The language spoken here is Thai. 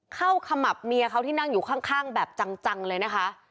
ขมับเมียเขาที่นั่งอยู่ข้างแบบจังเลยนะคะ